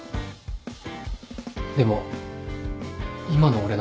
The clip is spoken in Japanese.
でも今の俺なら。